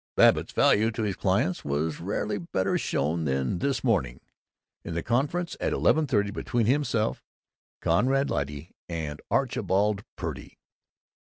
Babbitt's value to his clients was rarely better shown than this morning, in the conference at eleven thirty between himself, Conrad Lyte, and Archibald Purdy.